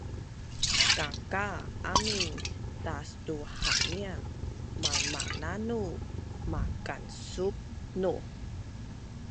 kakaa amin tastuhanian malmananu makansubnuh